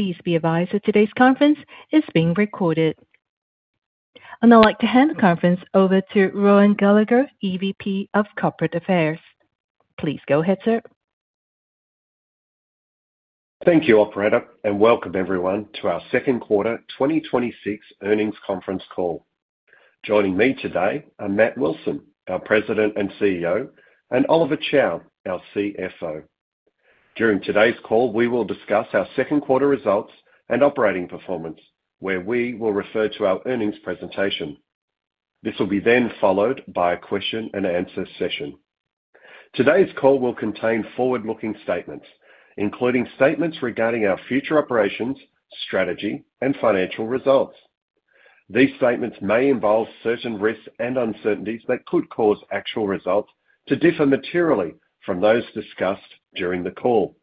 Please be advised that today's conference is being recorded. I'd now like to hand the conference over to Rohan Gallagher, EVP of Corporate Affairs. Please go ahead, sir. Thank you, operator. Welcome everyone to our second quarter 2026 earnings conference call. Joining me today are Matt Wilson, our President and CEO, and Oliver Chow, our CFO. During today's call, we will discuss our second quarter results and operating performance, where we will refer to our earnings presentation. This will be followed by a question and answer session. Today's call will contain forward-looking statements, including statements regarding our future operations, strategy, and financial results. These statements may involve certain risks and uncertainties that could cause actual results to differ materially from those discussed during the call.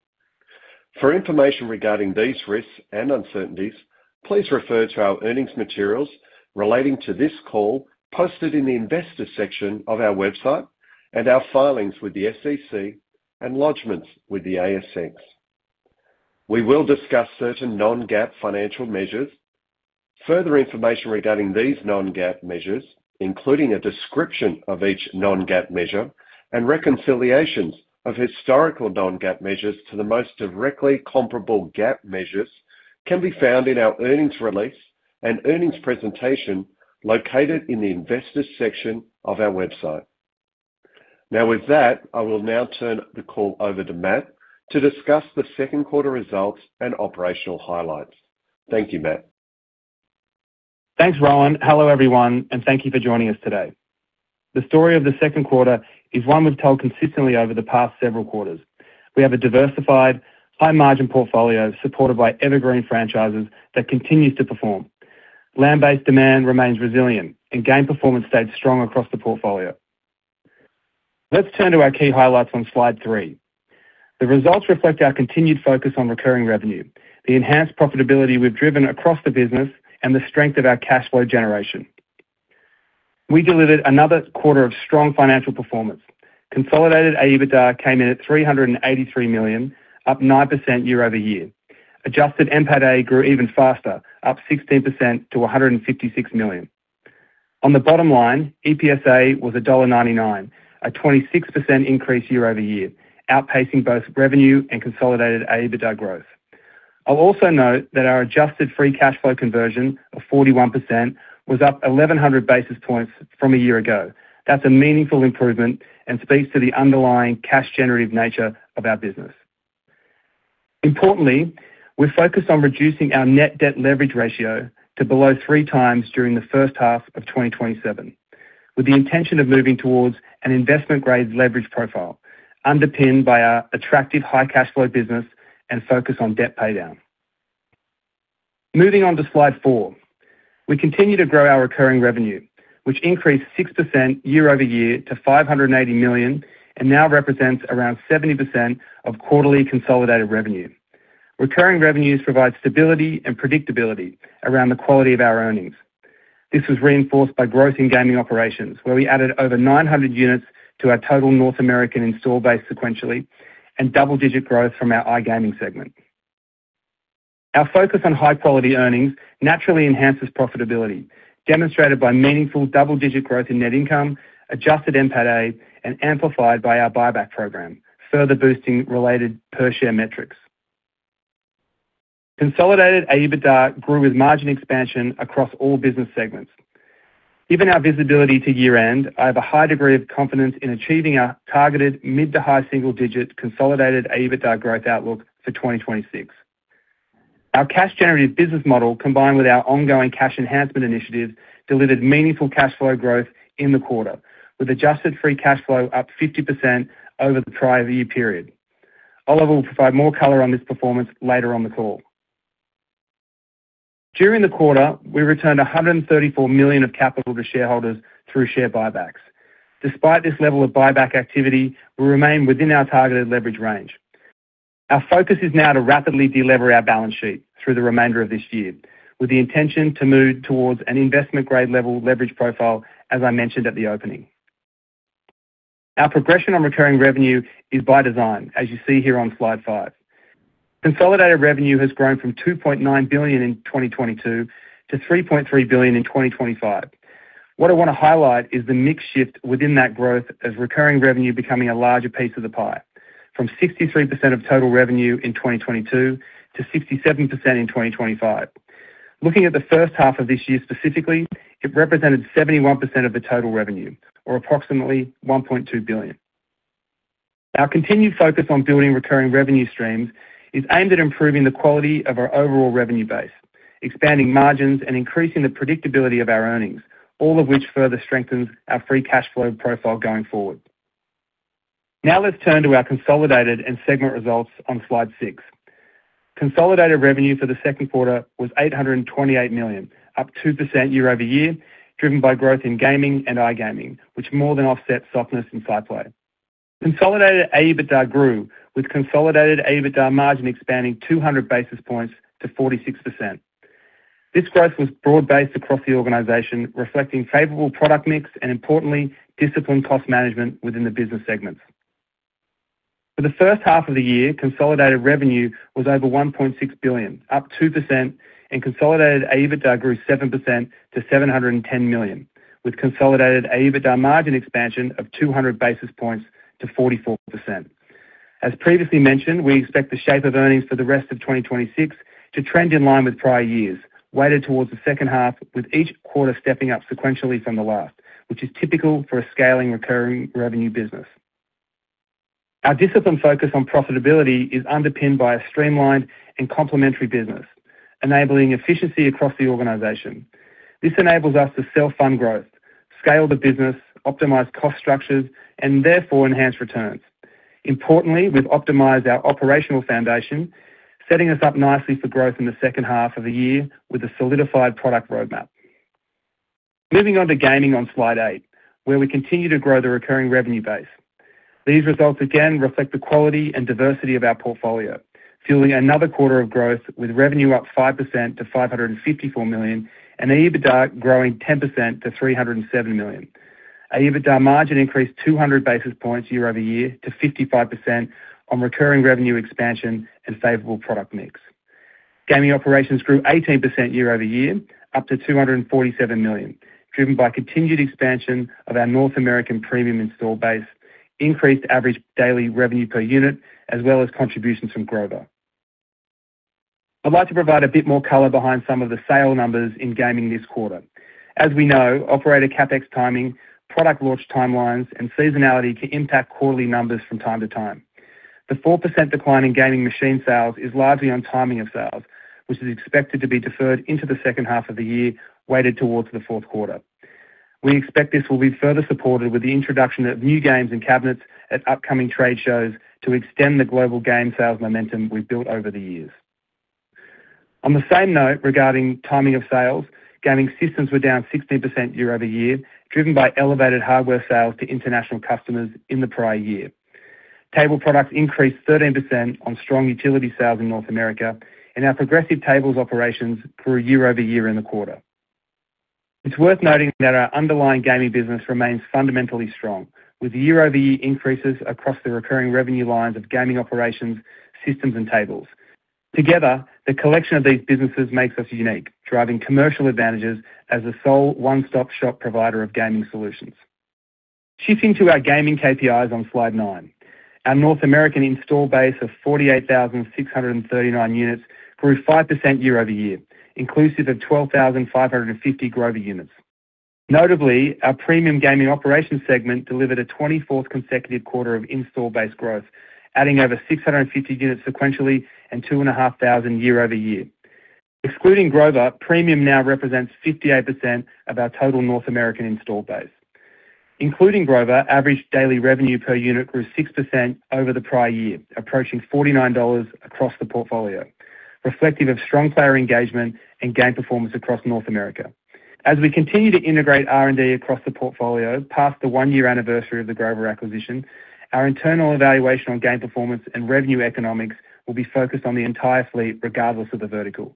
For information regarding these risks and uncertainties, please refer to our earnings materials relating to this call posted in the Investors section of our website and our filings with the SEC and lodgements with the ASX. We will discuss certain non-GAAP financial measures. Further information regarding these non-GAAP measures, including a description of each non-GAAP measure and reconciliations of historical non-GAAP measures to the most directly comparable GAAP measures, can be found in our earnings release and earnings presentation located in the Investors section of our website. With that, I will now turn the call over to Matt to discuss the second quarter results and operational highlights. Thank you, Matt. Thanks, Rohan. Hello, everyone. Thank you for joining us today. The story of the second quarter is one we've told consistently over the past several quarters. We have a diversified, high-margin portfolio supported by evergreen franchises that continues to perform. Land-based demand remains resilient, and game performance stayed strong across the portfolio. Let's turn to our key highlights on slide three. The results reflect our continued focus on recurring revenue, the enhanced profitability we've driven across the business, and the strength of our cash flow generation. We delivered another quarter of strong financial performance. Consolidated EBITDA came in at $383 million, up 9% year-over-year. Adjusted NPATA grew even faster, up 16% to $156 million. On the bottom line, EPSA was $1.99, a 26% increase year-over-year, outpacing both revenue and consolidated EBITDA growth. I'll also note that our adjusted free cash flow conversion of 41% was up 1,100 basis points from a year ago. That's a meaningful improvement and speaks to the underlying cash generative nature of our business. Importantly, we're focused on reducing our net debt leverage ratio to below 3x during the first half of 2027, with the intention of moving towards an investment-grade leverage profile underpinned by our attractive high cash flow business and focus on debt paydown. Moving on to slide four. We continue to grow our recurring revenue, which increased 6% year-over-year to $580 million and now represents around 70% of quarterly consolidated revenue. Recurring revenues provide stability and predictability around the quality of our earnings. This was reinforced by growth in Gaming Operations, where we added over 900 units to our total North American install base sequentially and double-digit growth from our iGaming segment. Our focus on high-quality earnings naturally enhances profitability, demonstrated by meaningful double-digit growth in net income, Adjusted NPATA, and amplified by our buyback program, further boosting related per-share metrics. Consolidated EBITDA grew with margin expansion across all business segments. Given our visibility to year-end, I have a high degree of confidence in achieving our targeted mid to high single-digit consolidated EBITDA growth outlook for 2026. Our cash generative business model, combined with our ongoing cash enhancement initiatives, delivered meaningful cash flow growth in the quarter, with adjusted free cash flow up 50% over the prior year period. Oliver will provide more color on this performance later on the call. During the quarter, we returned $134 million of capital to shareholders through share buybacks. Despite this level of buyback activity, we remain within our targeted leverage range. Our focus is now to rapidly de-lever our balance sheet through the remainder of this year, with the intention to move towards an investment-grade level leverage profile, as I mentioned at the opening. Our progression on recurring revenue is by design, as you see here on slide five. Consolidated revenue has grown from $2.9 billion in 2022 to $3.3 billion in 2025. What I want to highlight is the mix shift within that growth as recurring revenue becoming a larger piece of the pie, from 63% of total revenue in 2022 to 67% in 2025. Looking at the first half of this year specifically, it represented 71% of the total revenue or approximately $1.2 billion. Our continued focus on building recurring revenue streams is aimed at improving the quality of our overall revenue base, expanding margins, and increasing the predictability of our earnings, all of which further strengthens our free cash flow profile going forward. Now, let's turn to our consolidated and segment results on slide six. Consolidated revenue for the second quarter was $828 million, up 2% year-over-year, driven by growth in gaming and iGaming, which more than offset softness in SciPlay. Consolidated EBITDA grew, with consolidated EBITDA margin expanding 200 basis points to 46%. This growth was broad-based across the organization, reflecting favorable product mix and, importantly, disciplined cost management within the business segments. For the first half of the year, consolidated revenue was over $1.6 billion, up 2%, and consolidated EBITDA grew 7% to $710 million, with consolidated EBITDA margin expansion of 200 basis points to 44%. As previously mentioned, we expect the shape of earnings for the rest of 2026 to trend in line with prior years, weighted towards the second half, with each quarter stepping up sequentially from the last, which is typical for a scaling, recurring revenue business. Our disciplined focus on profitability is underpinned by a streamlined and complementary business, enabling efficiency across the organization. This enables us to self-fund growth, scale the business, optimize cost structures, and therefore enhance returns. Importantly, we've optimized our operational foundation, setting us up nicely for growth in the second half of the year with a solidified product roadmap. Moving on to gaming on slide eight, where we continue to grow the recurring revenue base. These results, again, reflect the quality and diversity of our portfolio, fueling another quarter of growth, with revenue up 5% to $554 million, and EBITDA growing 10% to $307 million. EBITDA margin increased 200 basis points year-over-year to 55% on recurring revenue expansion and favorable product mix. Gaming Operations grew 18% year-over-year, up to $247 million, driven by continued expansion of our North American premium install base, increased average daily revenue per unit, as well as contributions from Grover. I'd like to provide a bit more color behind some of the sale numbers in gaming this quarter. As we know, operator CapEx timing, product launch timelines, and seasonality can impact quarterly numbers from time to time. The 4% decline in gaming machine sales is largely on timing of sales, which is expected to be deferred into the second half of the year, weighted towards the fourth quarter. We expect this will be further supported with the introduction of new games and cabinets at upcoming trade shows to extend the global game sales momentum we've built over the years. On the same note, regarding timing of sales, gaming systems were down 16% year-over-year, driven by elevated hardware sales to international customers in the prior year. Table products increased 13% on strong utility sales in North America, and our progressive tables operations grew year-over-year in the quarter. It's worth noting that our underlying gaming business remains fundamentally strong, with year-over-year increases across the recurring revenue lines of Gaming Operations, systems, and tables. Together, the collection of these businesses makes us unique, driving commercial advantages as the sole one-stop-shop provider of gaming solutions. Shifting to our gaming KPIs on slide nine. Our North American install base of 48,639 units grew 5% year-over-year, inclusive of 12,550 Grover units. Notably, our premium Gaming Operations segment delivered a 24th consecutive quarter of install base growth, adding over 650 units sequentially and 2,500 year-over-year. Excluding Grover, premium now represents 58% of our total North American install base. Including Grover, average daily revenue per unit grew 6% over the prior year, approaching $49 across the portfolio, reflective of strong player engagement and game performance across North America. As we continue to integrate R&D across the portfolio, past the one-year anniversary of the Grover acquisition, our internal evaluation on game performance and revenue economics will be focused on the entire fleet, regardless of the vertical.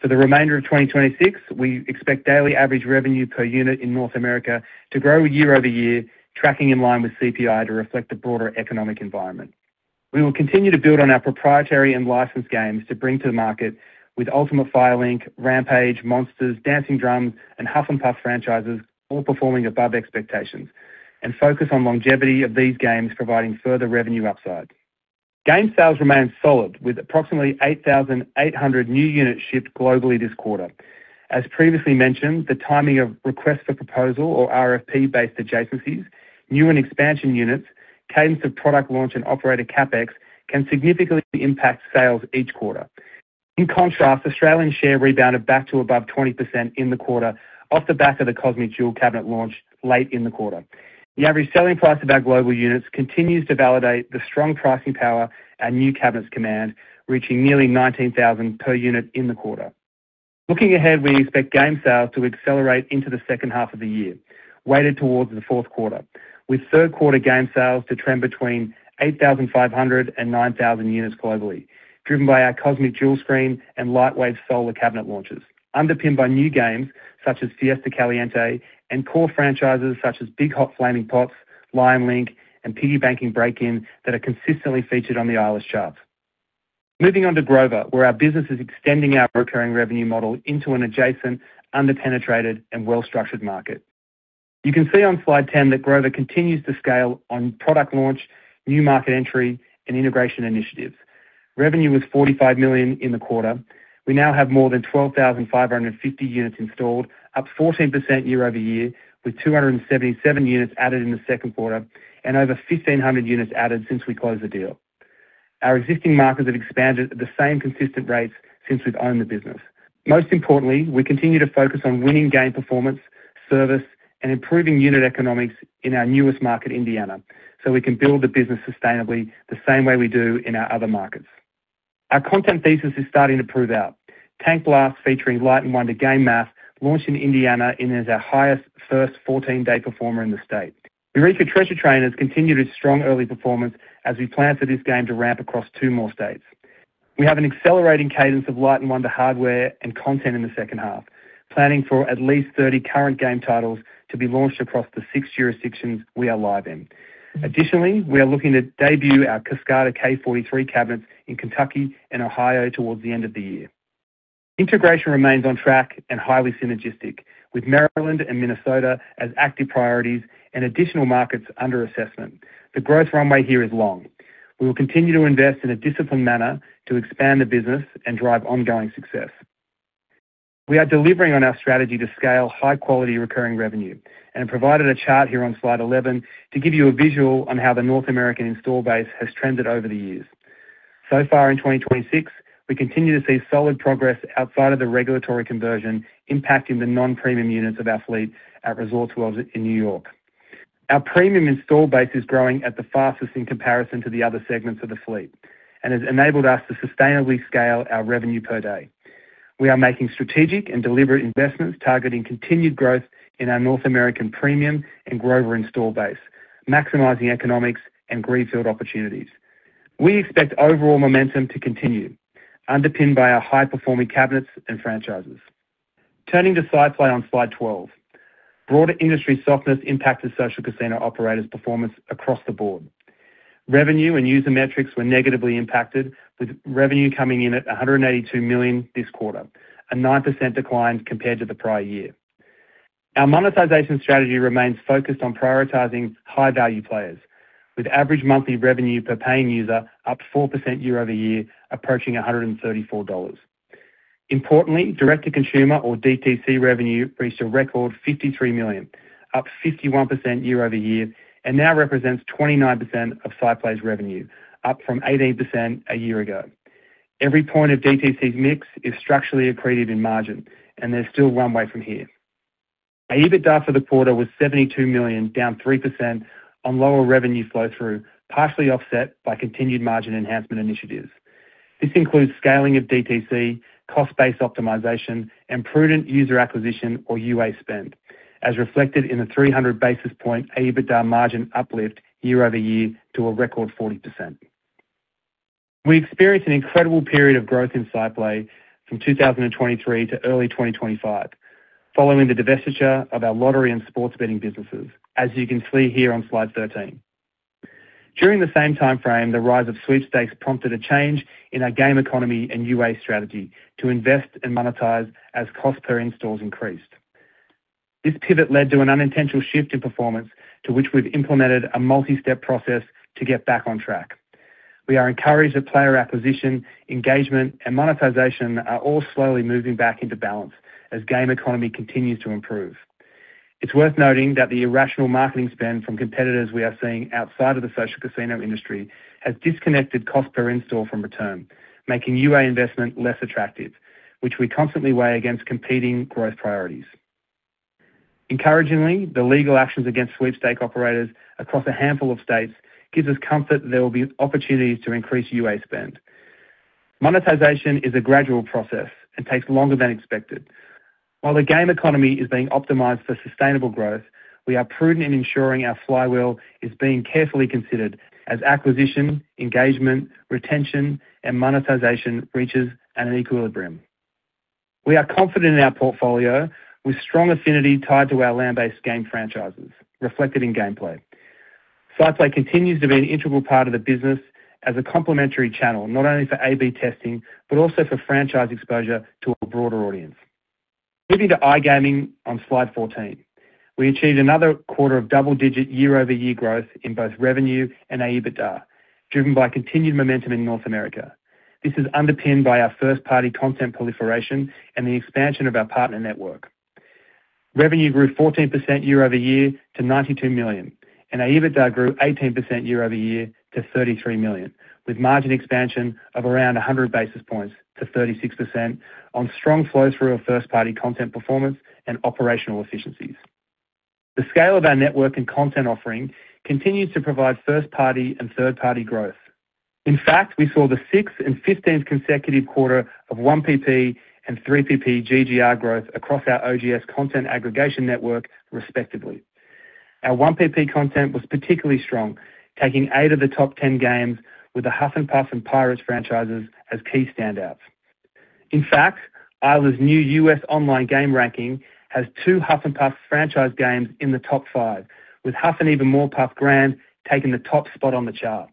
For the remainder of 2026, we expect daily average revenue per unit in North America to grow year-over-year, tracking in line with CPI to reflect the broader economic environment. We will continue to build on our proprietary and licensed games to bring to the market with Ultimate Fire Link, Rampage, Monsters, Dancing Drums, and Huff N' Puff franchises all performing above expectations, and focus on longevity of these games providing further revenue upside. Game sales remain solid, with approximately 8,800 new units shipped globally this quarter. As previously mentioned, the timing of request for proposal or RFP-based adjacencies, new and expansion units, cadence of product launch, and operator CapEx can significantly impact sales each quarter. In contrast, Australian share rebounded back to above 20% in the quarter off the back of the COSMIC DUAL cabinet launch late in the quarter. The average selling price of our global units continues to validate the strong pricing power our new cabinets command, reaching nearly $19,000 per unit in the quarter. Looking ahead, we expect game sales to accelerate into the second half of the year, weighted towards the fourth quarter, with third quarter game sales to trend between 8,500 and 9,000 units globally, driven by our Cosmic Dual Screen and LIGHTWAVE SOLAR cabinet launches, underpinned by new games such as Fiesta Caliente and core franchises such as Big Hot Flaming Pots, Lion Link, and PIGGY BANKIN’ BREAK IN that are consistently featured on the charts. Moving on to Grover, where our business is extending our recurring revenue model into an adjacent, under-penetrated, and well-structured market. You can see on slide 10 that Grover continues to scale on product launch, new market entry, and integration initiatives. Revenue was $45 million in the quarter. We now have more than 12,550 units installed, up 14% year-over-year, with 277 units added in the second quarter and over 1,500 units added since we closed the deal. Our existing markets have expanded at the same consistent rates since we've owned the business. Most importantly, we continue to focus on winning game performance, service, and improving unit economics in our newest market, Indiana, so we can build the business sustainably the same way we do in our other markets. Our content thesis is starting to prove out. Tank Blast, featuring Light & Wonder Game Math, launched in Indiana and is our highest first 14-day performer in the state. Eureka Treasure Train has continued its strong early performance as we plan for this game to ramp across two more states. We have an accelerating cadence of Light & Wonder hardware and content in the second half, planning for at least 30 current game titles to be launched across the six jurisdictions we are live in. Additionally, we are looking to debut our Kascada K43 cabinets in Kentucky and Ohio towards the end of the year. Integration remains on track and highly synergistic with Maryland and Minnesota as active priorities and additional markets under assessment. The growth runway here is long. We will continue to invest in a disciplined manner to expand the business and drive ongoing success. We are delivering on our strategy to scale high-quality recurring revenue and provided a chart here on slide 11 to give you a visual on how the North American install base has trended over the years. In 2026, we continue to see solid progress outside of the regulatory conversion impacting the non-premium units of our fleets at Resorts World New York City. Our premium install base is growing at the fastest in comparison to the other segments of the fleet and has enabled us to sustainably scale our revenue per day. We are making strategic and deliberate investments targeting continued growth in our North American premium and Grover install base, maximizing economics and greenfield opportunities. We expect overall momentum to continue, underpinned by our high-performing cabinets and franchises. Turning to SciPlay on slide 12. Broader industry softness impacted social casino operators' performance across the board. Revenue and user metrics were negatively impacted, with revenue coming in at $182 million this quarter, a 9% decline compared to the prior year. Our monetization strategy remains focused on prioritizing high-value players, with average monthly revenue per paying user up 4% year-over-year, approaching $134. Importantly, direct-to-consumer or DTC revenue reached a record $53 million, up 51% year-over-year, and now represents 29% of SciPlay's revenue, up from 18% a year ago. Every point of DTC's mix is structurally accretive in margin, and there's still runway from here. Our EBITDA for the quarter was $72 million, down 3% on lower revenue flow-through, partially offset by continued margin enhancement initiatives. This includes scaling of DTC, cost base optimization, and prudent user acquisition or UA spend, as reflected in the 300 basis point EBITDA margin uplift year-over-year to a record 40%. We experienced an incredible period of growth in SciPlay from 2023 to early 2025 following the divestiture of our lottery and sports betting businesses, as you can see here on slide 13. During the same timeframe, the rise of sweepstakes prompted a change in our game economy and UA strategy to invest and monetize as Cost Per Installs increased. This pivot led to an unintentional shift in performance to which we've implemented a multi-step process to get back on track. We are encouraged that player acquisition, engagement, and monetization are all slowly moving back into balance as game economy continues to improve. It's worth noting that the irrational marketing spend from competitors we are seeing outside of the social casino industry has disconnected Cost Per Install from return, making UA investment less attractive, which we constantly weigh against competing growth priorities. Encouragingly, the legal actions against sweepstake operators across a handful of states gives us comfort that there will be opportunities to increase UA spend. Monetization is a gradual process and takes longer than expected. While the game economy is being optimized for sustainable growth, we are prudent in ensuring our flywheel is being carefully considered as acquisition, engagement, retention, and monetization reaches an equilibrium. We are confident in our portfolio with strong affinity tied to our land-based game franchises reflected in gameplay. SciPlay continues to be an integral part of the business as a complementary channel, not only for A/B testing, but also for franchise exposure to a broader audience. Moving to iGaming on slide 14. We achieved another quarter of double-digit year-over-year growth in both revenue and EBITDA, driven by continued momentum in North America. This is underpinned by our first-party content proliferation and the expansion of our partner network. Revenue grew 14% year-over-year to $92 million. EBITDA grew 18% year-over-year to $33 million, with margin expansion of around 100 basis points to 36% on strong flow-through of first-party content performance and operational efficiencies. The scale of our network and content offering continues to provide first-party and third-party growth. We saw the sixth and 15th consecutive quarter of 1PP and 3PP GGR growth across our OGS content aggregation network, respectively. Our 1PP content was particularly strong, taking eight of the top 10 games with the Huff N' Puff and Pirots franchises as key standouts. Eilers' new U.S. online game ranking has two Huff N' Puff franchise games in the top five, with Huff N' Even More Puff Grand taking the top spot on the chart.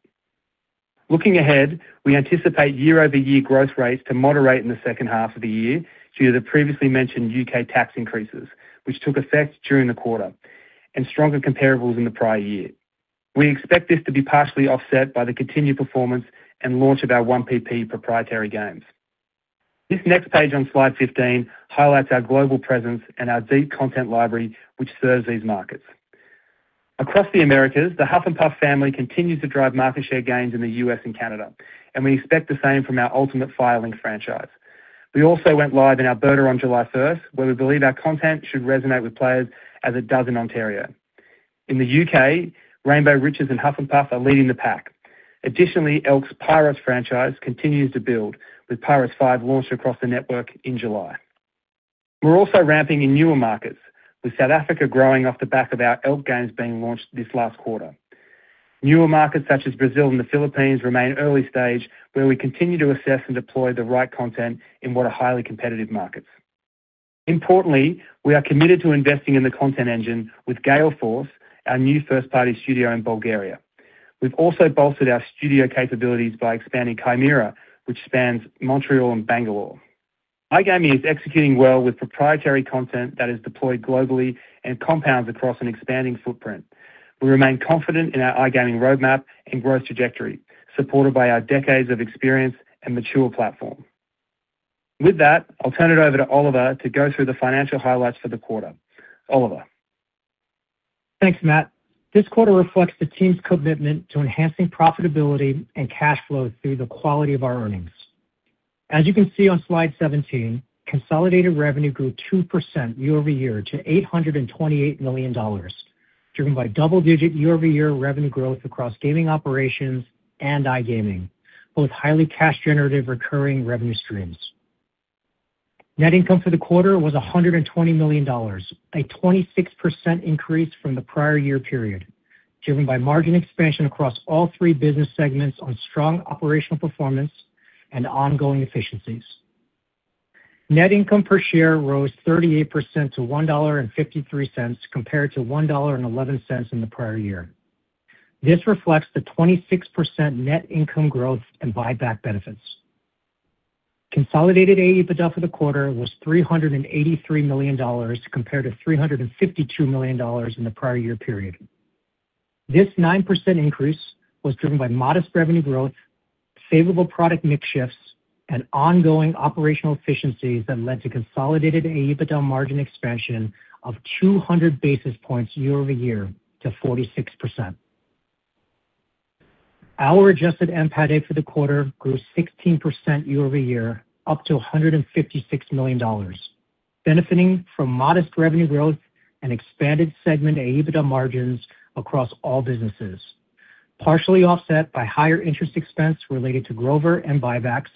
Looking ahead, we anticipate year-over-year growth rates to moderate in the second half of the year due to the previously mentioned U.K. tax increases, which took effect during the quarter, and stronger comparables in the prior year. We expect this to be partially offset by the continued performance and launch of our 1PP proprietary games. This next page on slide 15 highlights our global presence and our deep content library, which serves these markets. Across the Americas, the Huff N' Puff family continues to drive market share gains in the U.S. and Canada, and we expect the same from our Ultimate Fire Link franchise. We also went live in Alberta on July 1st, where we believe our content should resonate with players as it does in Ontario. In the U.K., Rainbow Riches and Huff N' Puff are leading the pack. ELK's Pirots franchise continues to build, with Pirots 5 launching across the network in July. We're also ramping in newer markets, with South Africa growing off the back of our ELK Games being launched this last quarter. Newer markets such as Brazil and the Philippines remain early stage, where we continue to assess and deploy the right content in what are highly competitive markets. We are committed to investing in the content engine with Galeforce, our new first-party studio in Bulgaria. We've also bolstered our studio capabilities by expanding Chimera, which spans Montreal and Bangalore. iGaming is executing well with proprietary content that is deployed globally and compounds across an expanding footprint. We remain confident in our iGaming roadmap and growth trajectory, supported by our decades of experience and mature platform. I'll turn it over to Oliver to go through the financial highlights for the quarter. Oliver? Thanks, Matt. This quarter reflects the team's commitment to enhancing profitability and cash flow through the quality of our earnings. As you can see on slide 17, consolidated revenue grew 2% year-over-year to $828 million, driven by double-digit year-over-year revenue growth across Gaming Operations and iGaming, both highly cash generative recurring revenue streams. Net income for the quarter was $120 million, a 26% increase from the prior year period, driven by margin expansion across all three business segments on strong operational performance and ongoing efficiencies. Net income per share rose 38% to $1.53, compared to $1.11 in the prior year. This reflects the 26% net income growth and buyback benefits. Consolidated AEBITDA for the quarter was $383 million, compared to $352 million in the prior year period. This 9% increase was driven by modest revenue growth, favorable product mix shifts, and ongoing operational efficiencies that led to consolidated AEBITDA margin expansion of 200 basis points year-over-year to 46%. Our Adjusted NPATA for the quarter grew 16% year-over-year up to $156 million, benefiting from modest revenue growth and expanded segment AEBITDA margins across all businesses, partially offset by higher interest expense related to Grover and buybacks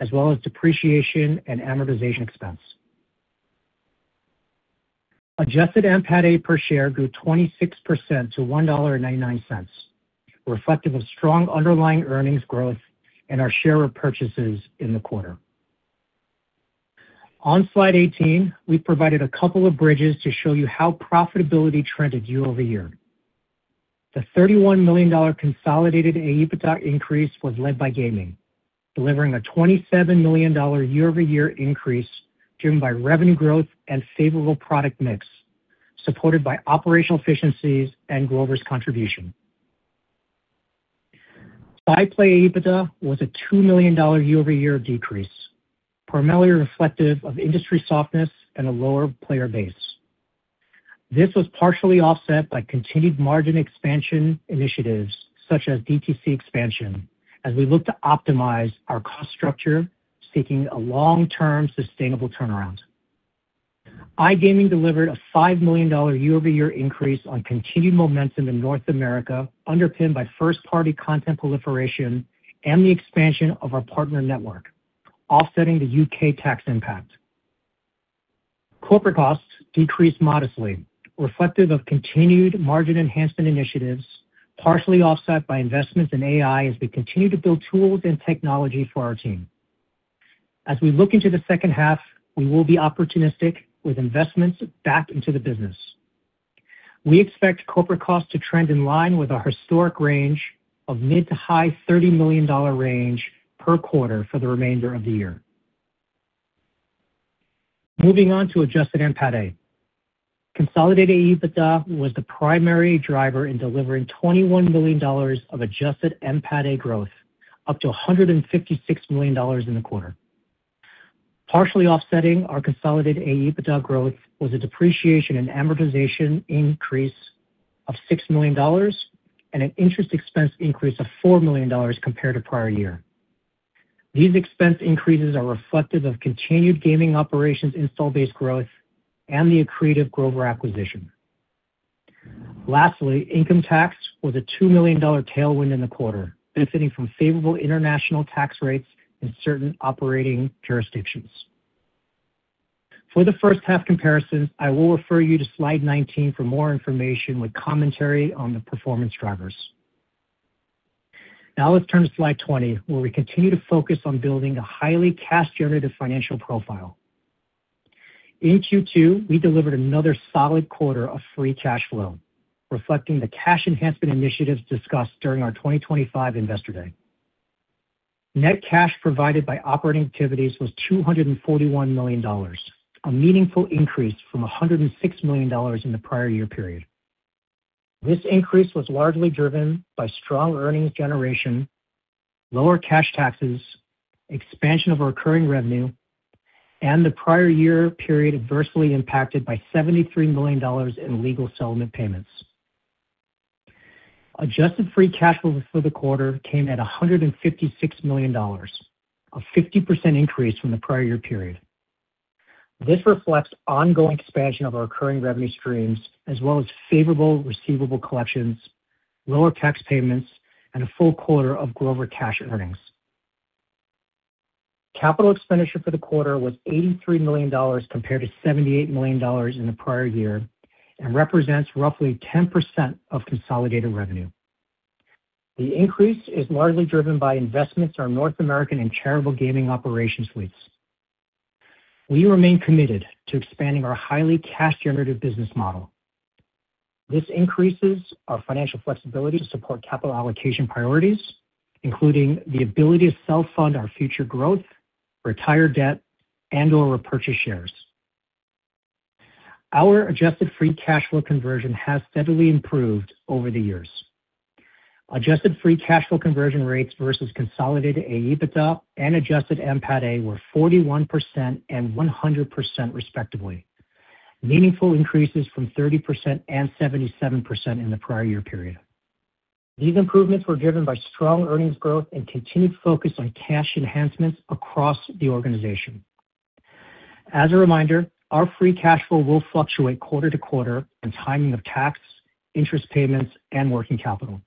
as well as depreciation and amortization expense. Adjusted NPATA per share grew 26% to $1.99, reflective of strong underlying earnings growth and our share repurchases in the quarter. On slide 18, we've provided a couple of bridges to show you how profitability trended year-over-year. The $31 million consolidated AEBITDA increase was led by Gaming, delivering a $27 million year-over-year increase driven by revenue growth and favorable product mix, supported by operational efficiencies and Grover's contribution. SciPlay EBITDA was a $2 million year-over-year decrease, primarily reflective of industry softness and a lower player base. This was partially offset by continued margin expansion initiatives such as DTC expansion as we look to optimize our cost structure, seeking a long-term sustainable turnaround. iGaming delivered a $5 million year-over-year increase on continued momentum in North America, underpinned by first-party content proliferation and the expansion of our partner network, offsetting the U.K. tax impact. Corporate costs decreased modestly, reflective of continued margin enhancement initiatives, partially offset by investments in AI as we continue to build tools and technology for our team. As we look into the second half, we will be opportunistic with investments back into the business. We expect corporate costs to trend in line with our historic range of mid to high $30 million range per quarter for the remainder of the year. Moving on to Adjusted NPATA. Consolidated EBITDA was the primary driver in delivering $21 million of Adjusted NPATA growth, up to $156 million in the quarter. Partially offsetting our consolidated AEBITDA growth was a depreciation and amortization increase of $6 million and an interest expense increase of $4 million compared to prior year. These expense increases are reflective of continued Gaming Operations install base growth and the accretive Grover acquisition. Lastly, income tax was a $2 million tailwind in the quarter, benefiting from favorable international tax rates in certain operating jurisdictions. For the first half comparisons, I will refer you to slide 19 for more information with commentary on the performance drivers. Let's turn to slide 20, where we continue to focus on building a highly cash generative financial profile. In Q2, we delivered another solid quarter of free cash flow, reflecting the cash enhancement initiatives discussed during our 2025 Investor Day. Net cash provided by operating activities was $241 million, a meaningful increase from $106 million in the prior year period. This increase was largely driven by strong earnings generation, lower cash taxes, expansion of our recurring revenue, and the prior year period adversely impacted by $73 million in legal settlement payments. Adjusted free cash flow for the quarter came at $156 million, a 50% increase from the prior year period. This reflects ongoing expansion of our recurring revenue streams as well as favorable receivable collections, lower tax payments, and a full quarter of Grover cash earnings. Capital expenditure for the quarter was $83 million compared to $78 million in the prior year, and represents roughly 10% of consolidated revenue. The increase is largely driven by investments in our North American and charitable gaming operation suites. We remain committed to expanding our highly cash-generative business model. This increases our financial flexibility to support capital allocation priorities, including the ability to self-fund our future growth, retire debt, and/or repurchase shares. Our adjusted free cash flow conversion has steadily improved over the years. Adjusted free cash flow conversion rates versus consolidated AEBITDA and Adjusted NPATA were 41% and 100% respectively, meaningful increases from 30% and 77% in the prior year period. These improvements were driven by strong earnings growth and continued focus on cash enhancements across the organization. As a reminder, our free cash flow will fluctuate quarter to quarter on timing of tax, interest payments, and working capital.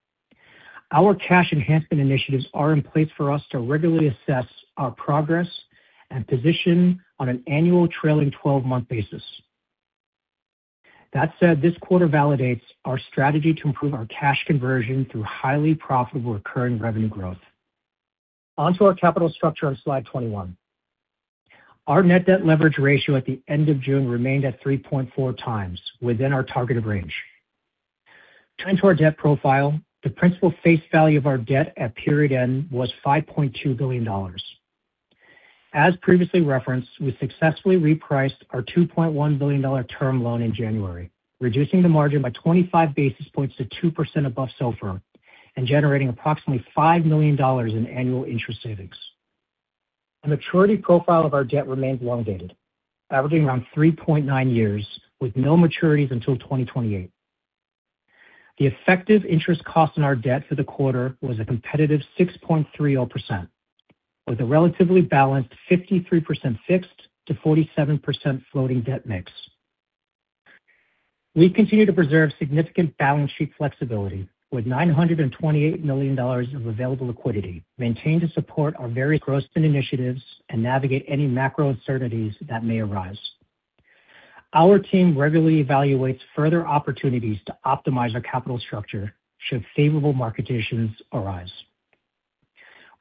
Our cash enhancement initiatives are in place for us to regularly assess our progress and position on an annual trailing 12-month basis. That said, this quarter validates our strategy to improve our cash conversion through highly profitable recurring revenue growth. Onto our capital structure on slide 21. Our net debt leverage ratio at the end of June remained at 3.4x within our targeted range. Turning to our debt profile, the principal face value of our debt at period end was $5.2 billion. As previously referenced, we successfully repriced our $2.1 billion term loan in January, reducing the margin by 25 basis points to 2% above SOFR and generating approximately $5 million in annual interest savings. The maturity profile of our debt remains long-dated, averaging around 3.9 years with no maturities until 2028. The effective interest cost on our debt for the quarter was a competitive 6.30%, with a relatively balanced 53% fixed to 47% floating debt mix. We continue to preserve significant balance sheet flexibility with $928 million of available liquidity maintained to support our various growth initiatives and navigate any macro uncertainties that may arise. Our team regularly evaluates further opportunities to optimize our capital structure should favorable market conditions arise.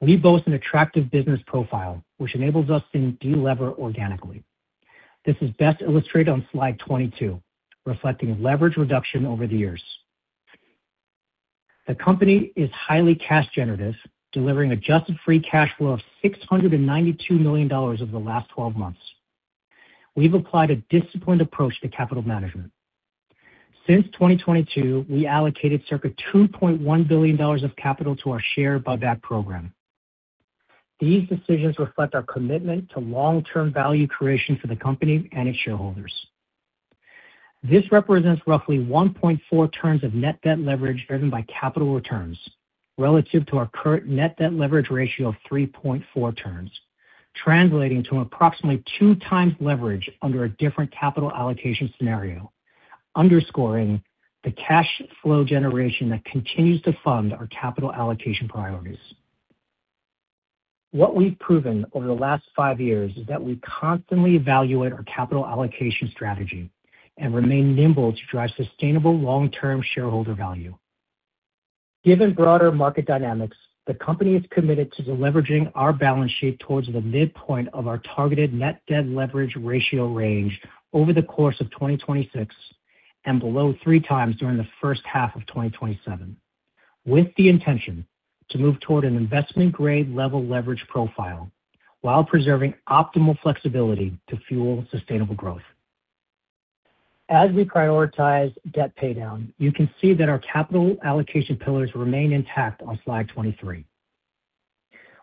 We boast an attractive business profile, which enables us to de-lever organically. This is best illustrated on slide 22, reflecting leverage reduction over the years. The company is highly cash generative, delivering adjusted free cash flow of $692 million over the last 12 months. We've applied a disciplined approach to capital management. Since 2022, we allocated circa $2.1 billion of capital to our share buyback program. These decisions reflect our commitment to long-term value creation for the company and its shareholders. This represents roughly 1.4 turns of net debt leverage driven by capital returns relative to our current net debt leverage ratio of 3.4 turns, translating to approximately 2x leverage under a different capital allocation scenario, underscoring the cash flow generation that continues to fund our capital allocation priorities. What we've proven over the last five years is that we constantly evaluate our capital allocation strategy and remain nimble to drive sustainable long-term shareholder value. Given broader market dynamics, the company is committed to deleveraging our balance sheet towards the midpoint of our targeted net debt leverage ratio range over the course of 2026 and below 3x during the first half of 2027, with the intention to move toward an investment-grade level leverage profile while preserving optimal flexibility to fuel sustainable growth. As we prioritize debt paydown, you can see that our capital allocation pillars remain intact on slide 23.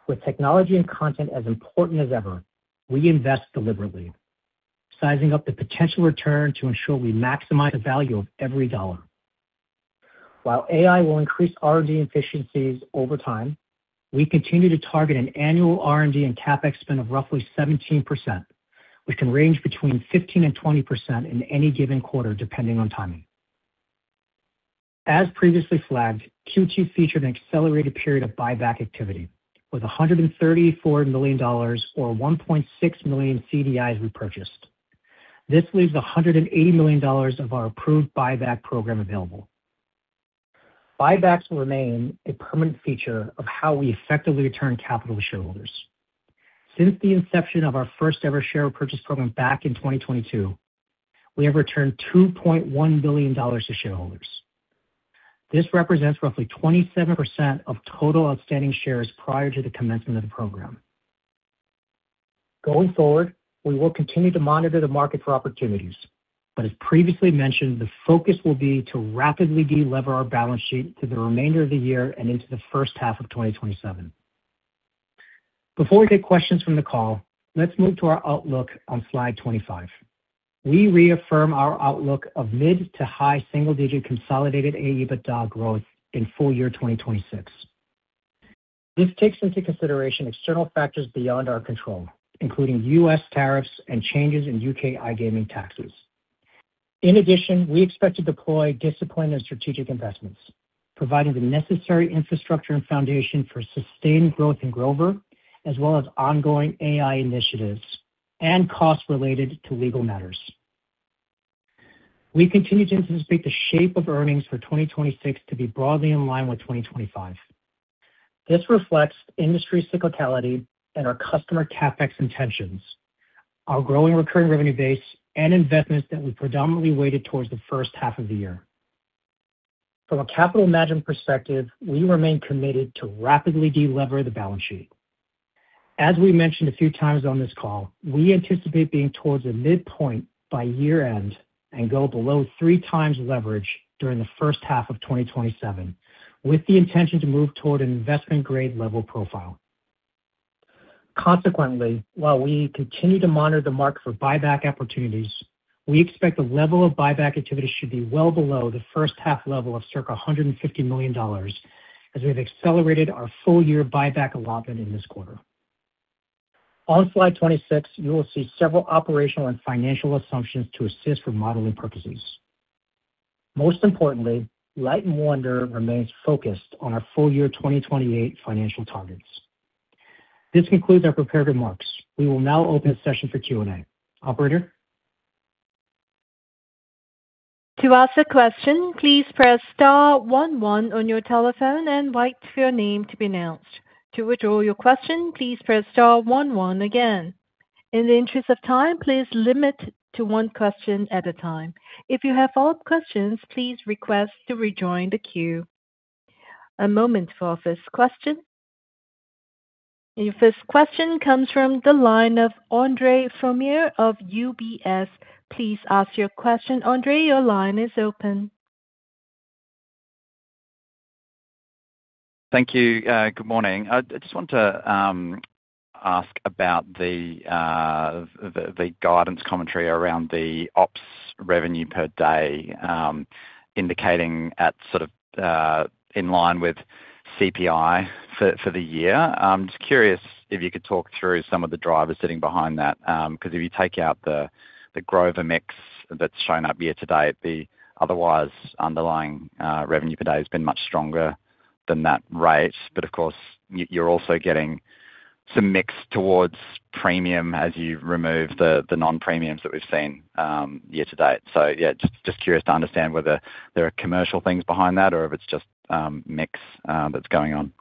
With technology and content as important as ever, we invest deliberately, sizing up the potential return to ensure we maximize the value of every dollar. While AI will increase R&D efficiencies over time, we continue to target an annual R&D and CapEx spend of roughly 17%, which can range between 15%-20% in any given quarter, depending on timing. As previously flagged, Q2 featured an accelerated period of buyback activity with $134 million or 1.6 million CDIs repurchased. This leaves $180 million of our approved buyback program available. Buybacks will remain a permanent feature of how we effectively return capital to shareholders. Since the inception of our first-ever share purchase program back in 2022, we have returned $2.1 billion to shareholders. This represents roughly 27% of total outstanding shares prior to the commencement of the program. Going forward, we will continue to monitor the market for opportunities. As previously mentioned, the focus will be to rapidly de-lever our balance sheet through the remainder of the year and into the first half of 2027. Before we take questions from the call, let's move to our outlook on slide 25. We reaffirm our outlook of mid to high single-digit consolidated AEBITDA growth in full year 2026. This takes into consideration external factors beyond our control, including U.S. tariffs and changes in U.K. iGaming taxes. We expect to deploy disciplined and strategic investments, providing the necessary infrastructure and foundation for sustained growth in Grover, as well as ongoing AI initiatives and costs related to legal matters. We continue to anticipate the shape of earnings for 2026 to be broadly in line with 2025. This reflects industry cyclicality and our customer CapEx intentions, our growing recurring revenue base, and investments that we predominantly weighted towards the first half of the year. From a capital management perspective, we remain committed to rapidly de-lever the balance sheet. As we mentioned a few times on this call, we anticipate being towards the midpoint by year-end and go below 3x leverage during the first half of 2027, with the intention to move toward an investment-grade level profile. Consequently, while we continue to monitor the market for buyback opportunities, we expect the level of buyback activity should be well below the first half level of circa $150 million, as we've accelerated our full-year buyback allotment in this quarter. On slide 26, you will see several operational and financial assumptions to assist for modeling purposes. Most importantly, Light & Wonder remains focused on our full-year 2028 financial targets. This concludes our prepared remarks. We will now open the session for Q&A. Operator? To ask a question, please press *11 on your telephone and wait for your name to be announced. To withdraw your question, please press *11 again. In the interest of time, please limit to one question at a time. If you have follow-up questions, please request to rejoin the queue. A moment for our first question. Your first question comes from the line of Andre Fromyhr of UBS. Please ask your question. Andre, your line is open. Thank you. Good morning. I just want to ask about the guidance commentary around the ops revenue per day, indicating at sort of in line with CPI for the year. I'm just curious if you could talk through some of the drivers sitting behind that, because if you take out the Grover mix that's shown up year-to-date, the otherwise underlying revenue per day has been much stronger than that rate. Of course, you're also getting some mix towards premium as you remove the non-premiums that we've seen year-to-date. Yeah, just curious to understand whether there are commercial things behind that or if it's just mix that's going on.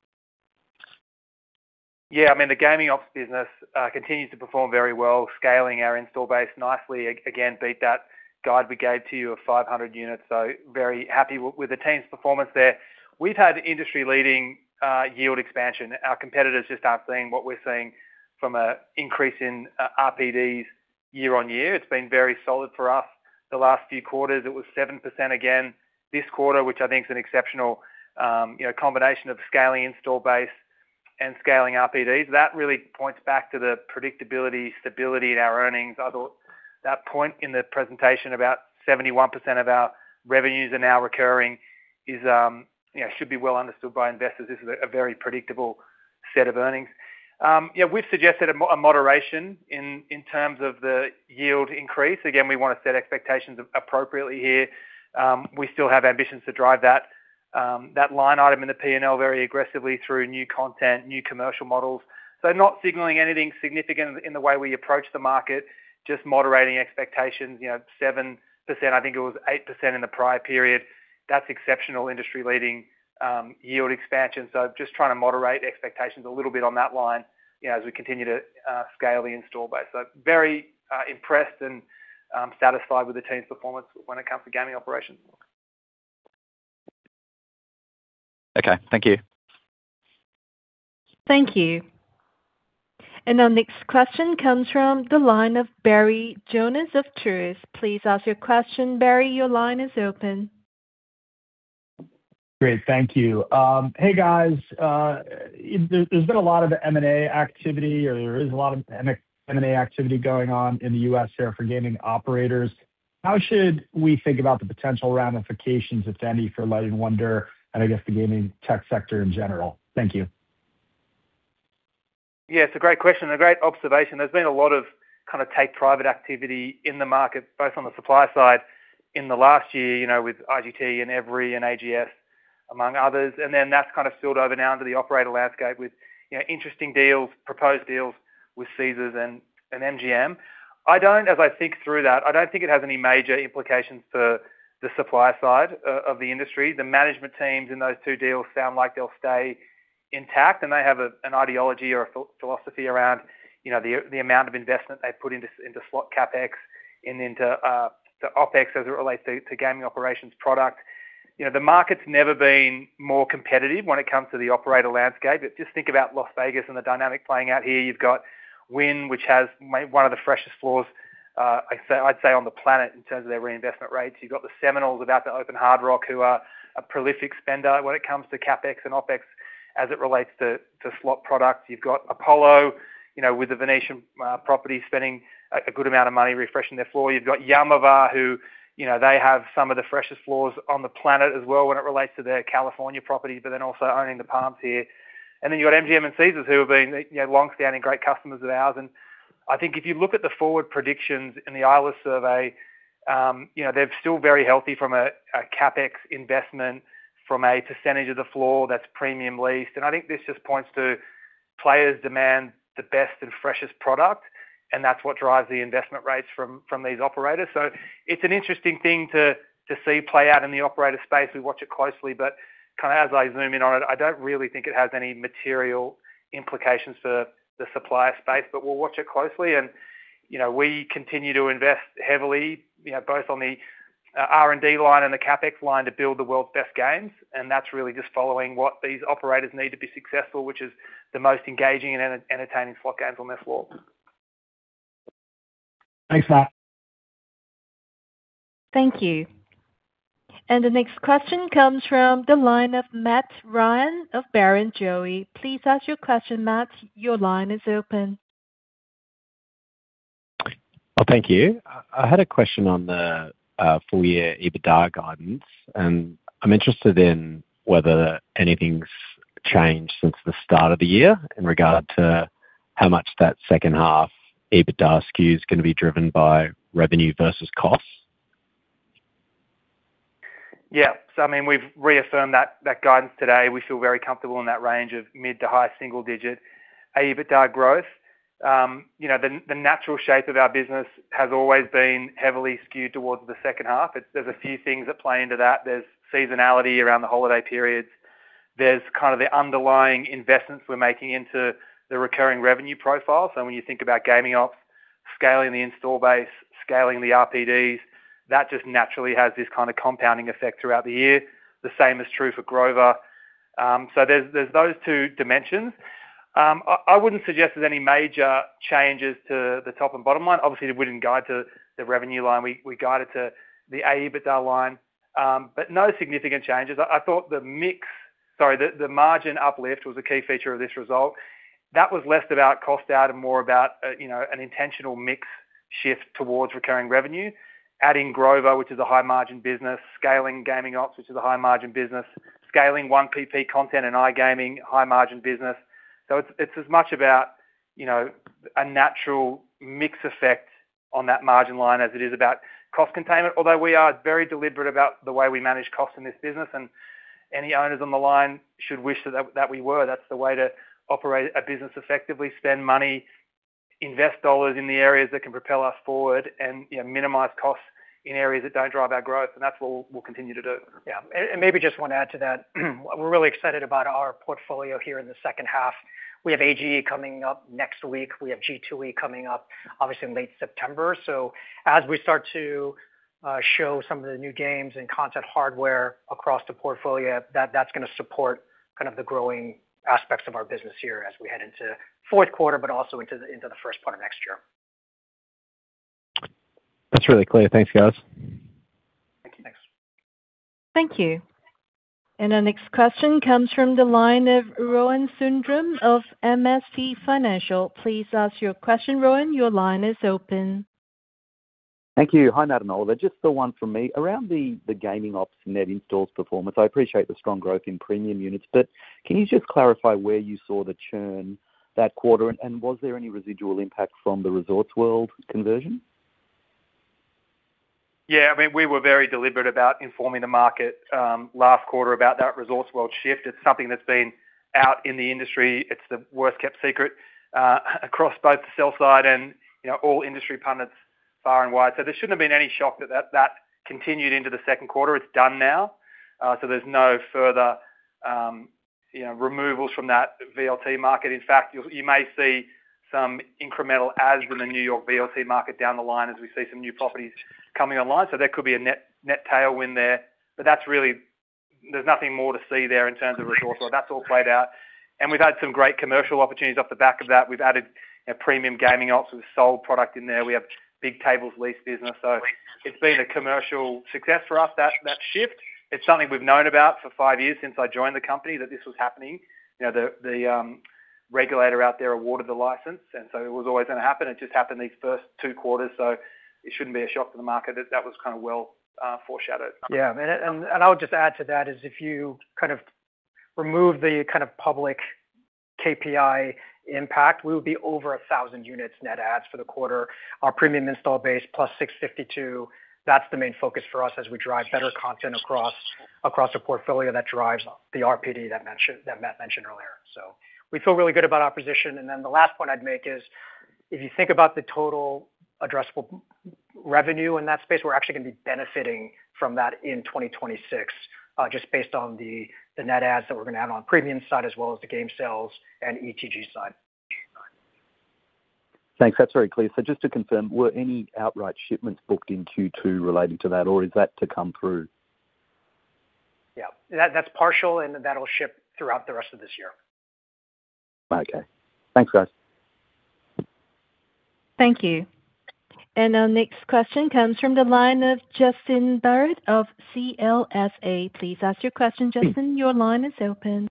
Yeah, I mean, the Gaming Ops business continues to perform very well, scaling our install base nicely. Again, beat that guide we gave to you of 500 units, so very happy with the team's performance there. We've had industry-leading yield expansion. Our competitors just aren't seeing what we're seeing from an increase in RPDs year-on-year. It's been very solid for us the last few quarters. It was 7% again this quarter, which I think is an exceptional combination of scaling install base and scaling RPDs. That really points back to the predictability, stability in our earnings. I thought that point in the presentation, about 71% of our revenues are now recurring, should be well understood by investors. This is a very predictable set of earnings. Yeah, we've suggested a moderation in terms of the yield increase. Again, we want to set expectations appropriately here. We still have ambitions to drive that line item in the P&L very aggressively through new content, new commercial models. Not signaling anything significant in the way we approach the market, just moderating expectations. 7%, I think it was 8% in the prior period. That's exceptional industry-leading yield expansion. Just trying to moderate expectations a little bit on that line as we continue to scale the install base. Very impressed and satisfied with the team's performance when it comes to Gaming Operations. Okay. Thank you. Thank you. Our next question comes from the line of Barry Jonas of Truist. Please ask your question. Barry, your line is open. Great, thank you. Hey, guys. There's been a lot of M&A activity, or there is a lot of M&A activity going on in the U.S. here for gaming operators. How should we think about the potential ramifications, if any, for Light & Wonder and I guess the gaming tech sector in general? Thank you. Yeah, it's a great question. A great observation. There's been a lot of kind of take private activity in the market, both on the supply side in the last year, with IGT and Everi and AGS, among others. That's kind of spilled over now into the operator landscape with interesting deals, proposed deals with Caesars and MGM. As I think through that, I don't think it has any major implications for the supply side of the industry. The management teams in those two deals sound like they'll stay intact, and they have an ideology or a philosophy around the amount of investment they put into slot CapEx and into OpEx as it relates to gaming operations product. The market's never been more competitive when it comes to the operator landscape. Just think about Las Vegas and the dynamic playing out here. You've got Wynn, which has one of the freshest floors, I'd say, on the planet in terms of their reinvestment rates. You've got the Seminoles about to open, Hard Rock, who are a prolific spender when it comes to CapEx and OpEx as it relates to slot products. You've got Apollo, with the Venetian property, spending a good amount of money refreshing their floor. You've got Yaamava', who, they have some of the freshest floors on the planet as well when it relates to their California property, also owning the Palms here. You've got MGM and Caesars, who have been longstanding great customers of ours and I think if you look at the forward predictions in the Eilers survey, they're still very healthy from a CapEx investment from a percentage of the floor that's premium leased. I think this just points to players demand the best and freshest product, and that's what drives the investment rates from these operators. It's an interesting thing to see play out in the operator space. We watch it closely, kind of as I zoom in on it, I don't really think it has any material implications for the supplier space. We'll watch it closely and we continue to invest heavily, both on the R&D line and the CapEx line to build the world's best games. That's really just following what these operators need to be successful, which is the most engaging and entertaining slot games on their floor. Thanks, Matt. Thank you. The next question comes from the line of Matt Ryan of Barrenjoey. Please ask your question, Matt, your line is open. Well, thank you. I had a question on the full year EBITDA guidance. I am interested in whether anything's changed since the start of the year in regard to how much that second half EBITDA SKU is going to be driven by revenue versus costs. We've reaffirmed that guidance today. We feel very comfortable in that range of mid to high single digit EBITDA growth. The natural shape of our business has always been heavily skewed towards the second half. There's a few things that play into that. There's seasonality around the holiday periods. There's kind of the underlying investments we're making into the recurring revenue profile. When you think about Gaming Ops, scaling the install base, scaling the RPDs, that just naturally has this kind of compounding effect throughout the year. The same is true for Grover. There's those two dimensions. I wouldn't suggest there's any major changes to the top and bottom line. Obviously, we didn't guide to the revenue line. We guided to the EBITDA line. No significant changes. I thought the margin uplift was a key feature of this result. That was less about cost out and more about an intentional mix shift towards recurring revenue, adding Grover, which is a high-margin business, scaling Gaming Ops, which is a high-margin business, scaling 1PP content and iGaming high-margin business. It's as much about a natural mix effect on that margin line as it is about cost containment. Although we are very deliberate about the way we manage cost in this business and any owners on the line should wish that we were. That's the way to operate a business effectively, spend money, invest dollars in the areas that can propel us forward and minimize costs in areas that don't drive our growth. That's what we'll continue to do. Yeah. Maybe just want to add to that. We're really excited about our portfolio here in the second half. We have AGE coming up next week. We have G2E coming up obviously in late September. As we start to show some of the new games and content hardware across the portfolio, that's going to support kind of the growing aspects of our business here as we head into fourth quarter, but also into the first part of next year. That's really clear. Thanks, guys. Thank you. Thanks. Thank you. Our next question comes from the line of Rohan Sundram of MST Financial. Please ask your question, Rohan. Your line is open. Thank you. Hi, Matt and Oliver. Just the one from me. Around the Gaming Ops net installs performance, I appreciate the strong growth in premium units, can you just clarify where you saw the churn that quarter and was there any residual impact from the Resorts World conversion? We were very deliberate about informing the market, last quarter about that Resorts World shift. It's something that's been out in the industry. It's the worst-kept secret, across both the sell side and all industry pundits far and wide. There shouldn't have been any shock that that continued into the second quarter. It's done now, there's no further removals from that VLT market. In fact, you may see some incremental adds from the New York VLT market down the line as we see some new properties coming online. There could be a net tailwind there. There's nothing more to see there in terms of Resorts World. That's all played out. We've had some great commercial opportunities off the back of that. We've added premium Gaming Ops with a sole product in there. We have big tables lease business. It's been a commercial success for us, that shift. It's something we've known about for five years since I joined the company that this was happening. The regulator out there awarded the license, it was always going to happen. It just happened these first two quarters. It shouldn't be a shock to the market that that was kind of well foreshadowed. I would just add to that is if you kind of remove the kind of public KPI impact, we would be over 1,000 units net adds for the quarter. Our premium install base plus 652, that's the main focus for us as we drive better content across the portfolio that drives the RPD that Matt mentioned earlier. We feel really good about our position. The last point I'd make is, if you think about the total addressable revenue in that space, we're actually going to be benefiting from that in 2026, just based on the net adds that we're going to have on premium side as well as the game sales and ETG side. Thanks. That's very clear. Just to confirm, were any outright shipments booked into 2 related to that or is that to come through? Yeah, that's partial and that'll ship throughout the rest of this year. Okay. Thanks, guys. Thank you. Our next question comes from the line of Justin Barratt of CLSA. Please ask your question, Justin. Your line is open.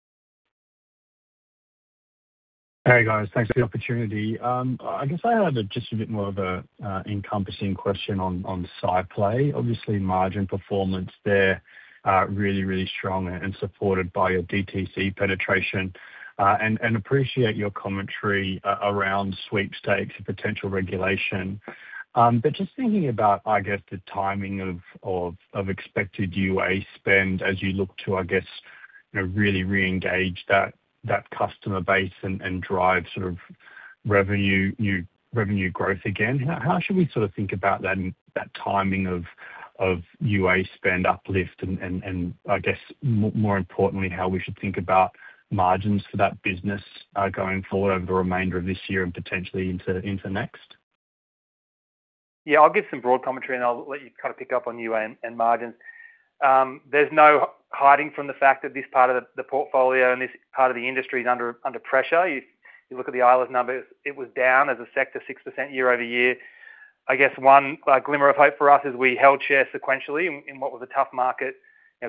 Hey, guys. Thanks for the opportunity. I guess I had just a bit more of an encompassing question on SciPlay. Obviously, margin performance there is really, really strong and supported by your DTC penetration. Appreciate your commentary around sweepstakes and potential regulation. Just thinking about, I guess, the timing of expected UA spend as you look to, I guess, really reengage that customer base and drive sort of revenue growth again. How should we sort of think about that and that timing of UA spend uplift and, I guess, more importantly, how we should think about margins for that business going forward over the remainder of this year and potentially into next? Yeah, I'll give some broad commentary and I'll let you kind of pick up on UA and margins. There's no hiding from the fact that this part of the portfolio and this part of the industry is under pressure. You look at the Eilers' numbers, it was down as a sector 6% year-over-year. I guess one glimmer of hope for us is we held share sequentially in what was a tough market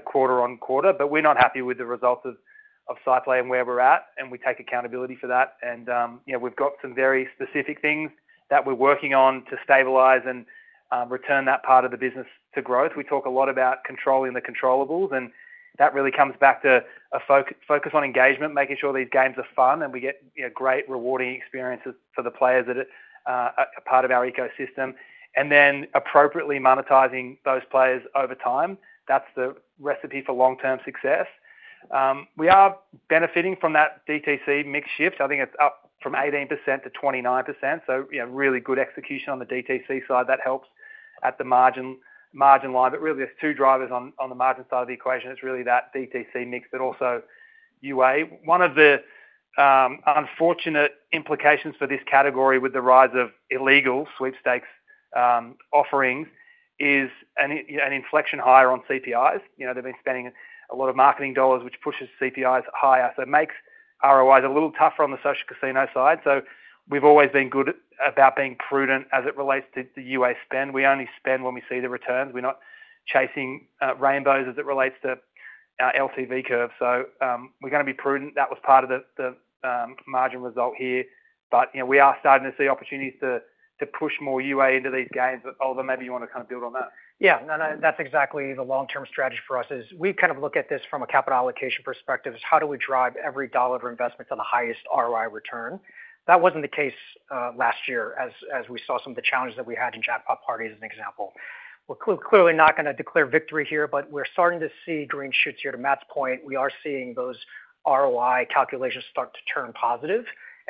quarter-on-quarter. We're not happy with the result of SciPlay and where we're at, and we take accountability for that. We've got some very specific things that we're working on to stabilize and return that part of the business to growth. We talk a lot about controlling the controllables, and that really comes back to a focus on engagement, making sure these games are fun and we get great rewarding experiences for the players that are a part of our ecosystem. Appropriately monetizing those players over time. That's the recipe for long-term success. We are benefiting from that DTC mix shift. I think it's up from 18%-29%. Really good execution on the DTC side that helps at the margin line. Really, there's two drivers on the margin side of the equation. It's really that DTC mix, but also UA. One of the unfortunate implications for this category with the rise of illegal sweepstakes offerings is an inflection higher on CPIs. They've been spending a lot of marketing dollars, which pushes CPIs higher. It makes ROIs a little tougher on the social casino side. We've always been good about being prudent as it relates to UA spend. We only spend when we see the returns. We're not chasing rainbows as it relates to our LTV curve. We're going to be prudent. That was part of the margin result here. We are starting to see opportunities to push more UA into these games. Oliver, maybe you want to kind of build on that. Yeah, no, that's exactly the long-term strategy for us is we kind of look at this from a capital allocation perspective is how do we drive every dollar of investment to the highest ROI return? That wasn't the case last year as we saw some of the challenges that we had in Jackpot Party, as an example. We're clearly not going to declare victory here, but we're starting to see green shoots here. To Matt's point, we are seeing those ROI calculations start to turn positive.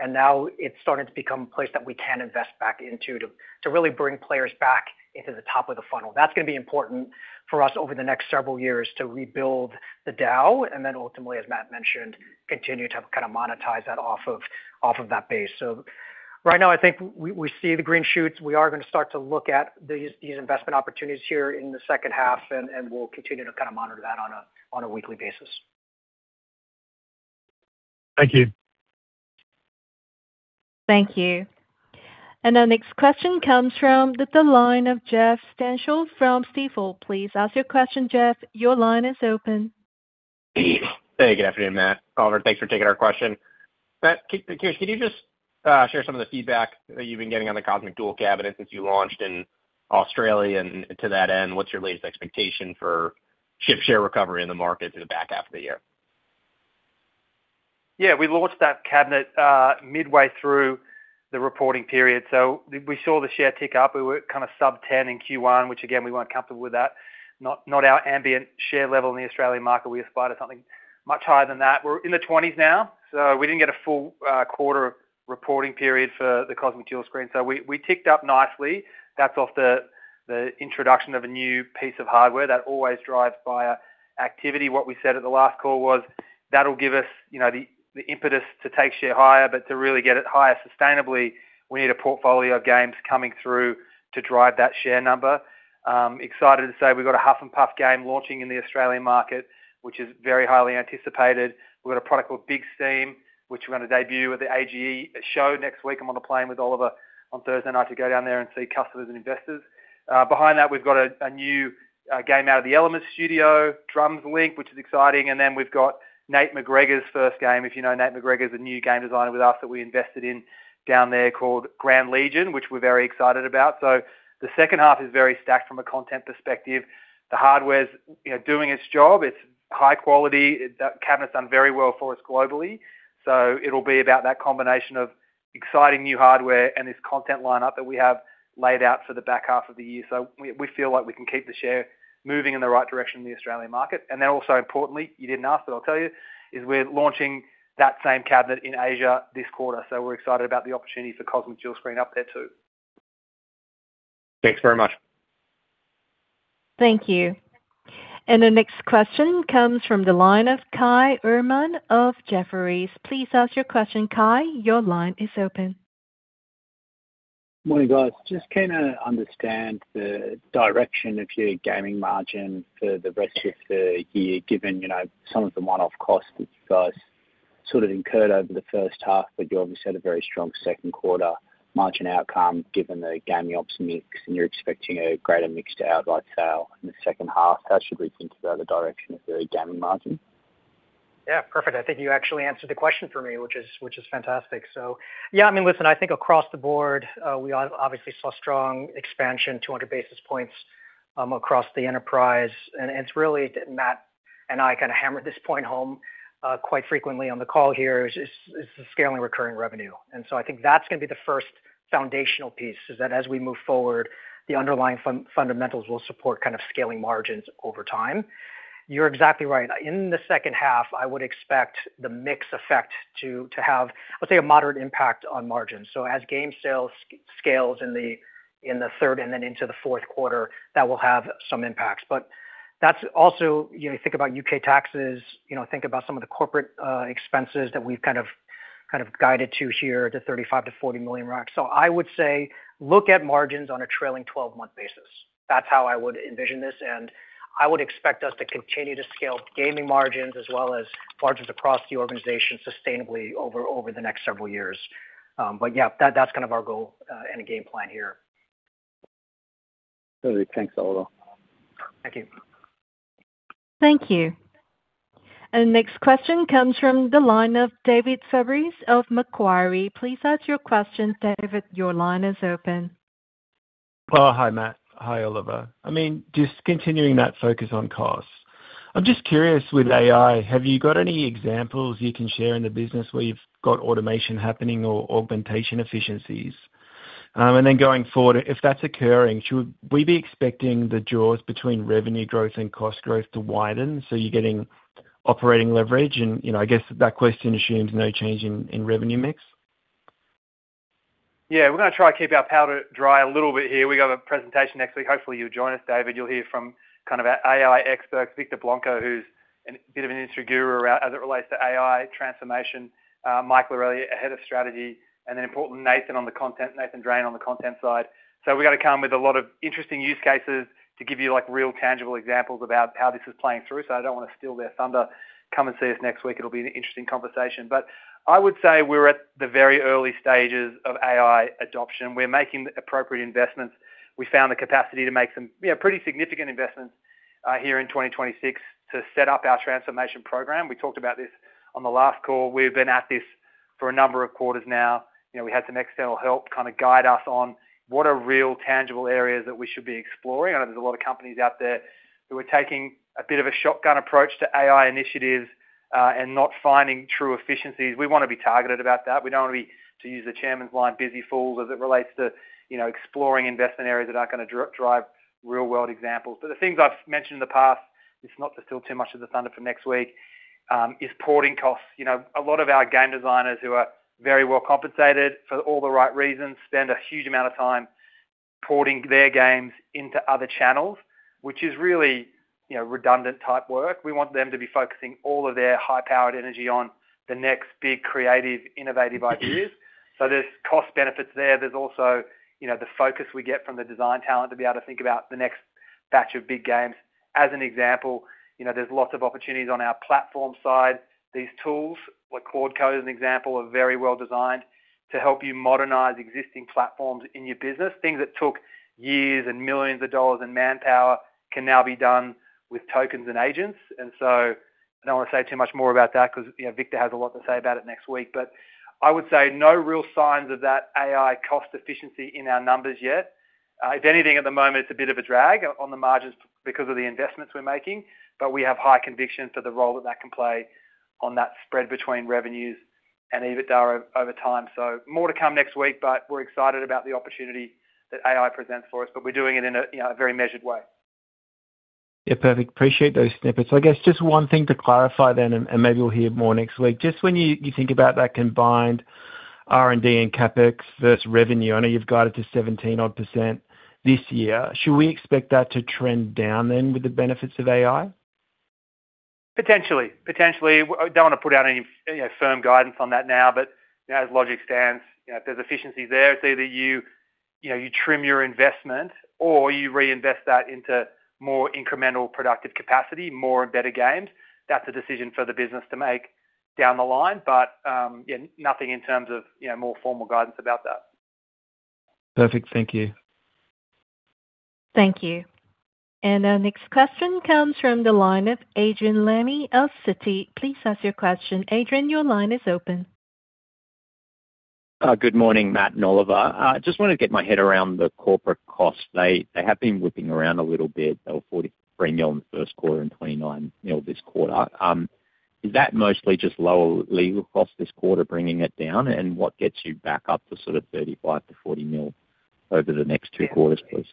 Now it's starting to become a place that we can invest back into to really bring players back into the top of the funnel. That's going to be important for us over the next several years to rebuild the DAU and then ultimately, as Matt mentioned, continue to kind of monetize that off of that base. Right now, I think we see the green shoots. We are going to start to look at these investment opportunities here in the second half, and we'll continue to kind of monitor that on a weekly basis. Thank you. Thank you. Our next question comes from the line of Jeff Stantial from Stifel. Please ask your question, Jeff. Your line is open. Hey, good afternoon, Matt, Oliver. Thanks for taking our question. Matt, can you just share some of the feedback that you've been getting on the COSMIC DUAL Cabinet since you launched in Australia? To that end, what's your latest expectation for shift share recovery in the market through the back half of the year? Yeah, we launched that cabinet midway through the reporting period. We saw the share tick up. We were kind of sub 10 in Q1, which again, we weren't comfortable with that. Not our ambient share level in the Australian market. We aspire to something much higher than that. We're in the 20s now. We didn't get a full quarter of reporting period for the Cosmic Dual Screen. We ticked up nicely. That's off the introduction of a new piece of hardware that always drives buyer activity. What we said at the last call was that'll give us the impetus to take share higher, to really get it higher sustainably, we need a portfolio of games coming through to drive that share number. Excited to say we've got a Huff N' Puff game launching in the Australian market, which is very highly anticipated. We've got a product called BIG STEAM, which we're going to debut at the AGE show next week. I'm on a plane with Oliver on Thursday night to go down there and see customers and investors. Behind that, we've got a new game out of the Elements studio, DRUMS LINK, which is exciting. We've got Nate McGregor's first game, if you know Nate McGregor, he's a new game designer with us that we invested in down there called GRAND LEGION, which we're very excited about. The second half is very stacked from a content perspective. The hardware's doing its job. It's high quality. That cabinet's done very well for us globally. It'll be about that combination of exciting new hardware and this content lineup that we have laid out for the back half of the year. We feel like we can keep the share moving in the right direction in the Australian market. Also importantly, you didn't ask, I'll tell you, is we're launching that same cabinet in Asia this quarter. We're excited about the opportunity for Cosmic Dual Screen up there, too. Thanks very much. Thank you. The next question comes from the line of Kai Erman of Jefferies. Please ask your question, Kai. Your line is open. Morning, guys. Just keen to understand the direction of your gaming margin for the rest of the year, given some of the one-off costs that you guys sort of incurred over the first half. You obviously had a very strong second quarter margin outcome given the Gaming Ops mix, and you're expecting a greater mix to outright sale in the second half. How should we think about the direction of the gaming margin? Yeah, perfect. I think you actually answered the question for me, which is fantastic. Yeah, I mean, listen, I think across the board, we obviously saw strong expansion, 200 basis points. Matt and I kind of hammered this point home quite frequently on the call here, is the scaling recurring revenue. I think that's going to be the first foundational piece is that as we move forward, the underlying fundamentals will support kind of scaling margins over time. You're exactly right. In the second half, I would expect the mix effect to have, let's say, a moderate impact on margins. As game sales scales in the third and then into the fourth quarter, that will have some impacts. That's also, you think about U.K. taxes, think about some of the corporate expenses that we've kind of guided to here, the $35 million-$40 million marks. I would say look at margins on a trailing 12-month basis. That's how I would envision this, and I would expect us to continue to scale gaming margins as well as margins across the organization sustainably over the next several years. Yeah, that's kind of our goal and a game plan here. Perfect. Thanks, Oliver. Thank you. Thank you. Next question comes from the line of David Fabris of Macquarie. Please ask your question. David, your line is open. Oh, hi, Matt. Hi, Oliver. Just continuing that focus on costs. I am just curious with AI, have you got any examples you can share in the business where you've got automation happening or augmentation efficiencies? Then going forward, if that's occurring, should we be expecting the jaws between revenue growth and cost growth to widen, so you're getting operating leverage? I guess that question assumes no change in revenue mix. Yeah. We are going to try to keep our powder dry a little bit here. We got a presentation next week. Hopefully, you will join us, David. You will hear from kind of our AI expert, Victor Blanco, who's a bit of an industry guru as it relates to AI transformation. Michael Lorelli, Chief Strategy Officer, then importantly, Nathan Drane on the content side. We are going to come with a lot of interesting use cases to give you real tangible examples about how this is playing through. I do not want to steal their thunder. Come and see us next week. It will be an interesting conversation. I would say we are at the very early stages of AI adoption. We are making the appropriate investments. We found the capacity to make some pretty significant investments here in 2026 to set up our transformation program. We talked about this on the last call. We have been at this for a number of quarters now. We had some external help kind of guide us on what are real tangible areas that we should be exploring. I know there is a lot of companies out there who are taking a bit of a shotgun approach to AI initiatives, not finding true efficiencies. We want to be targeted about that. We do not want to be, to use the chairman's line, busy fools as it relates to exploring investment areas that are not going to drive real-world examples. The things I have mentioned in the past, if not to steal too much of the thunder for next week, is porting costs. A lot of our game designers who are very well compensated for all the right reasons, spend a huge amount of time porting their games into other channels, which is really redundant type work. We want them to be focusing all of their high-powered energy on the next big creative, innovative ideas. There's cost benefits there. There's also the focus we get from the design talent to be able to think about the next batch of big games. As an example, there's lots of opportunities on our platform side. These tools, like Quadcode as an example, are very well-designed to help you modernize existing platforms in your business. Things that took years and millions of dollars in manpower can now be done with tokens and agents. I don't want to say too much more about that because Victor has a lot to say about it next week. I would say no real signs of that AI cost efficiency in our numbers yet. If anything, at the moment, it's a bit of a drag on the margins because of the investments we're making, but we have high conviction for the role that that can play on that spread between revenues and EBITDA over time. More to come next week, but we're excited about the opportunity that AI presents for us, but we're doing it in a very measured way. Yeah. Perfect. Appreciate those snippets. I guess just one thing to clarify then, and maybe we'll hear more next week. Just when you think about that combined R&D and CapEx versus revenue, I know you've got it to 17% odd this year. Should we expect that to trend down then with the benefits of AI? Potentially. Potentially. I don't want to put out any firm guidance on that now. As logic stands, if there's efficiencies there, it's either you trim your investment or you reinvest that into more incremental productive capacity, more and better games. That's a decision for the business to make down the line. Nothing in terms of more formal guidance about that. Perfect. Thank you. Thank you. Our next question comes from the line of Adrian Lemme of Citi. Please ask your question. Adrian, your line is open. Good morning, Matt and Oliver. I just want to get my head around the corporate costs. They have been whipping around a little bit. They were $43 million in the first quarter and $29 million this quarter. Is that mostly just lower legal costs this quarter bringing it down? What gets you back up to sort of $35 million-$40 million over the next two quarters, please?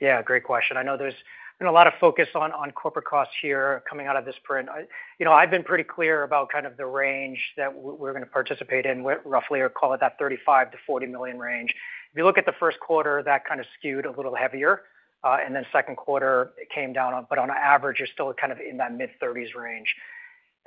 Yeah. Great question. I know there's been a lot of focus on corporate costs here coming out of this print. I've been pretty clear about kind of the range that we're going to participate in. We roughly call it that $35 million-$40 million range. If you look at the first quarter, that kind of skewed a little heavier. Second quarter it came down, but on average it's still kind of in that mid-30s range.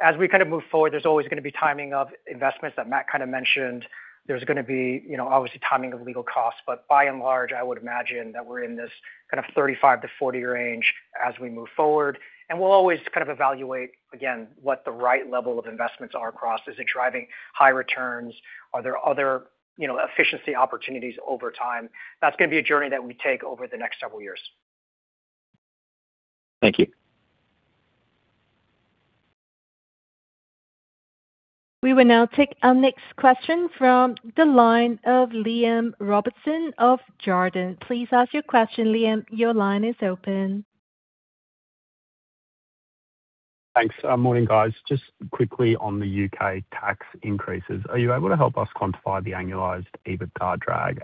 As we kind of move forward, there's always going to be timing of investments that Matt kind of mentioned. There's going to be obviously timing of legal costs. By and large, I would imagine that we're in this kind of $35 million-$40 million range as we move forward. We'll always kind of evaluate again, what the right level of investments are across. Is it driving high returns? Are there other efficiency opportunities over time? That's going to be a journey that we take over the next several years. Thank you. We will now take our next question from the line of Liam Robertson of Jarden. Please ask your question, Liam. Your line is open. Thanks. Morning, guys. Just quickly on the U.K. tax increases, are you able to help us quantify the annualized EBITDA drag?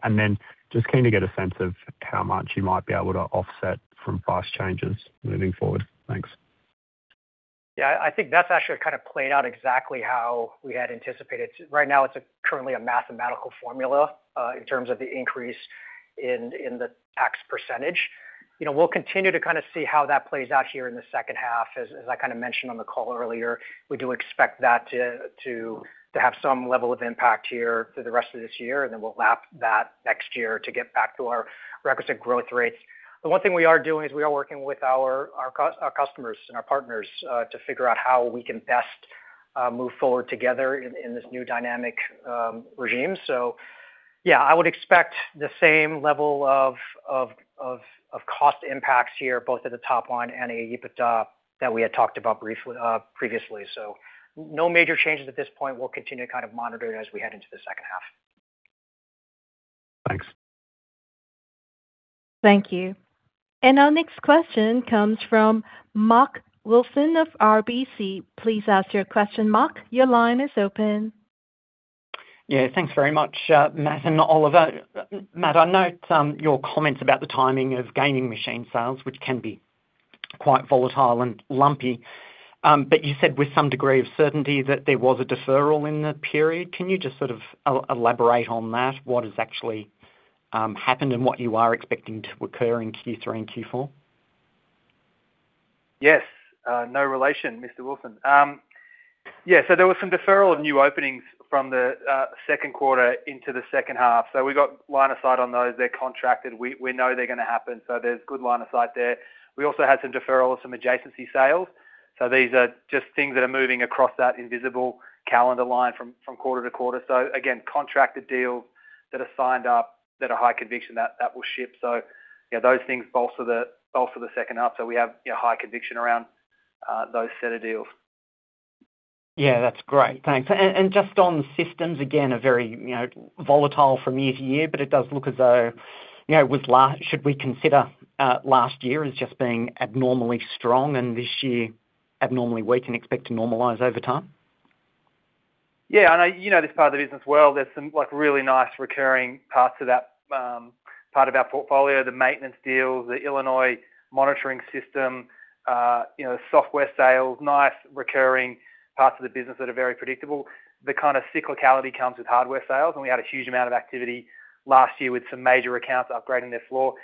Just keen to get a sense of how much you might be able to offset from price changes moving forward. Thanks. Yeah, I think that's actually kind of played out exactly how we had anticipated. Right now it's currently a mathematical formula, in terms of the increase in the tax %. We'll continue to kind of see how that plays out here in the second half. As I kind of mentioned on the call earlier, we do expect that to have some level of impact here through the rest of this year, and then we'll lap that next year to get back to our requisite growth rates. The one thing we are doing is we are working with our customers and our partners to figure out how we can best move forward together in this new dynamic regime. Yeah, I would expect the same level of cost impacts here, both at the top line and at EBITDA, that we had talked about previously. No major changes at this point. We'll continue to kind of monitor it as we head into the second half. Thanks. Thank you. Our next question comes from Mark Wilson of RBC. Please ask your question, Mark. Your line is open. Yeah. Thanks very much, Matt and Oliver. Matt, I note your comments about the timing of gaming machine sales, which can be quite volatile and lumpy. You said with some degree of certainty that there was a deferral in that period. Can you just sort of elaborate on that? What has actually happened and what you are expecting to occur in Q3 and Q4? Yes. No relation, Mr. Wilson. There was some deferral of new openings from the second quarter into the second half. We got line of sight on those. They're contracted. We know they're gonna happen, so there's good line of sight there. We also had some deferral of some adjacency sales. These are just things that are moving across that invisible calendar line from quarter to quarter. Again, contracted deals that are signed up, that are high conviction, that will ship. Yeah, those things bolster the second half. We have high conviction around those set of deals. Yeah, that's great. Thanks. Just on systems, again, are very volatile from year-to-year, but it does look as though, should we consider last year as just being abnormally strong and this year abnormally weak and expect to normalize over time? You know this part of the business well. There's some really nice recurring parts of that part of our portfolio, the maintenance deals, the Illinois monitoring system, software sales, nice recurring parts of the business that are very predictable. The kind of cyclicality comes with hardware sales, and we had a huge amount of activity last year with some major accounts upgrading their floor.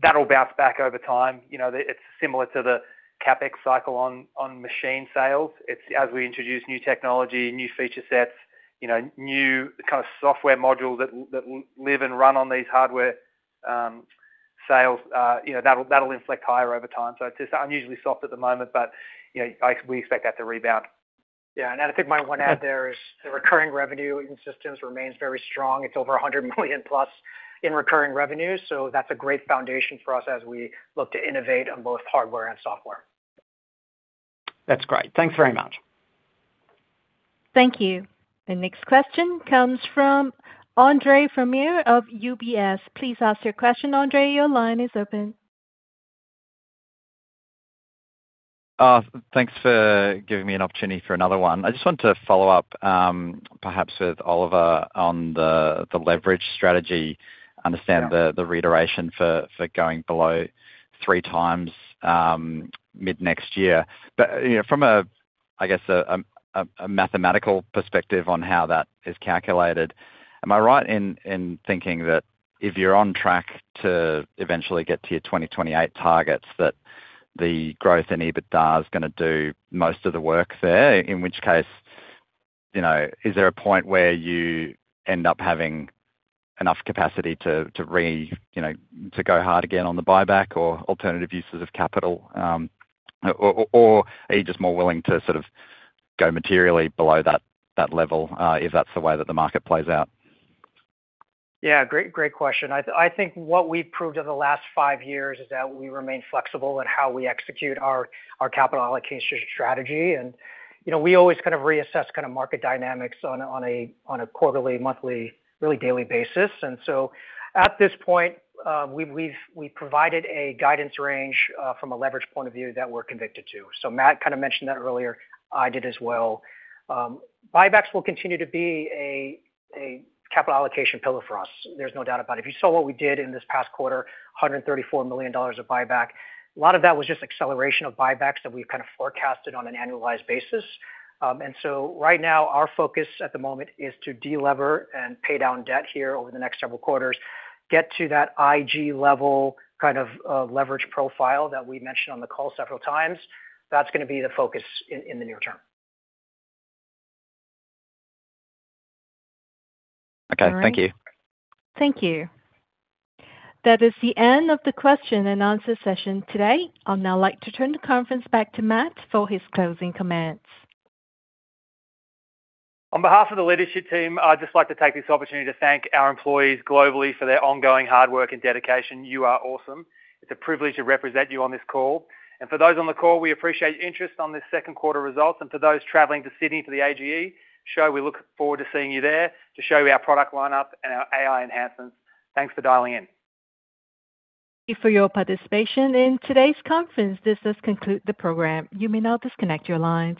That'll bounce back over time. It's similar to the CapEx cycle on machine sales. As we introduce new technology, new feature sets, new kind of software modules that will live and run on these hardware sales, that'll inflect higher over time. It's unusually soft at the moment, but we expect that to rebound. I'd put my one out there is the recurring revenue in systems remains very strong. It's over $100 million+ in recurring revenue. That's a great foundation for us as we look to innovate on both hardware and software. That's great. Thanks very much. Thank you. The next question comes from Andre Fromyhr of UBS. Please ask your question, Andre. Your line is open. Thanks for giving me an opportunity for another one. I just wanted to follow up, perhaps with Oliver on the leverage strategy. Understand the reiteration for going below 3x mid-next year. From a mathematical perspective on how that is calculated, am I right in thinking that if you're on track to eventually get to your 2028 targets, that the growth in EBITDA is gonna do most of the work there? In which case, is there a point where you end up having enough capacity to go hard again on the buyback or alternative uses of capital? Are you just more willing to sort of go materially below that level, if that's the way that the market plays out? Yeah. Great question. I think what we've proved over the last five years is that we remain flexible in how we execute our capital allocation strategy. We always kind of reassess kind of market dynamics on a quarterly, monthly, really daily basis. At this point, we've provided a guidance range from a leverage point of view that we're convicted to. Matt kind of mentioned that earlier. I did as well. Buybacks will continue to be a capital allocation pillar for us. There's no doubt about it. If you saw what we did in this past quarter, $134 million of buyback. A lot of that was just acceleration of buybacks that we've kind of forecasted on an annualized basis. Right now, our focus at the moment is to de-lever and pay down debt here over the next several quarters. Get to that IG level kind of leverage profile that we mentioned on the call several times. That's gonna be the focus in the near term. Okay. Thank you. Thank you. That is the end of the question and answer session today. I'd now like to turn the conference back to Matt for his closing comments. On behalf of the leadership team, I'd just like to take this opportunity to thank our employees globally for their ongoing hard work and dedication. You are awesome. It's a privilege to represent you on this call. For those on the call, we appreciate your interest on this second quarter results. For those traveling to Sydney for the AGE show, we look forward to seeing you there to show you our product lineup and our AI enhancements. Thanks for dialing in. Thank you for your participation in today's conference. This does conclude the program. You may now disconnect your line.